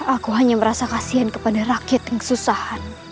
aku hanya merasa kasihan ke pada rakyat toch